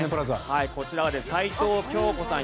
こちらは齊藤京子さん